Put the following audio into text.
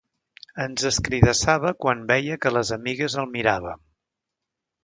Ens escridassava quan veia que les amigues el miràvem.